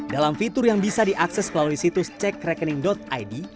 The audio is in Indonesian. dalam fitur yang bisa diakses melalui situs cekrekening id